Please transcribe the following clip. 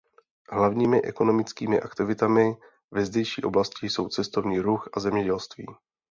Hlavními ekonomickými aktivitami ve zdejší oblasti jsou cestovní ruch a zemědělství.